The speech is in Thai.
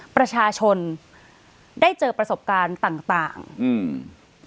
ประชาชนได้เจอประสบการณ์ต่างต่างอืม